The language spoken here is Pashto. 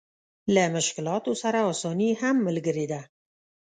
له مشکلاتو سره اساني هم ملګرې ده.